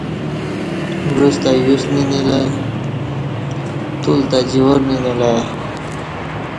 بعوڅ تہ یوس نینیلہ تولہ تہ جوار نینیلہ ا ی